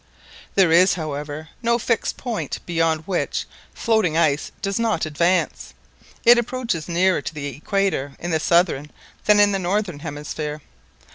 There is, however, no fixed point beyond which floating ice does not advance. It approaches nearer to the equator in the southern than in the northern hemisphere.